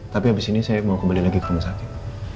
tapi habis ini saya mau kembali lagi ke rumah sakit